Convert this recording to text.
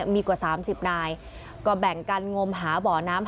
มีกว่า๓๐นายก็แบ่งกันงมหาบ่อน้ำ